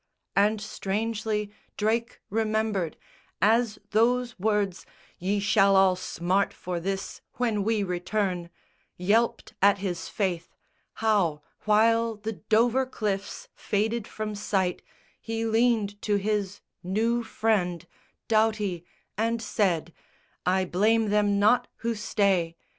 And strangely Drake remembered, as those words, "Ye shall all smart for this when we return," Yelped at his faith, how while the Dover cliffs Faded from sight he leaned to his new friend Doughty and said: "I blame them not who stay!